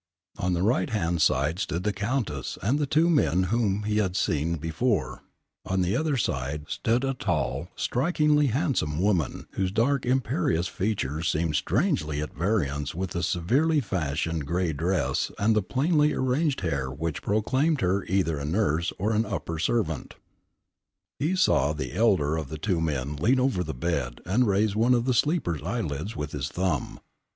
On the right hand side stood the Countess and the two men whom he had seen before; on the other side stood a tall, strikingly handsome woman, whose dark imperious features seemed strangely at variance with the severely fashioned grey dress and the plainly arranged hair which proclaimed her either a nurse or an upper servant. He saw the elder of the two men lean over the bed and raise one of the sleeper's eyelids with his thumb.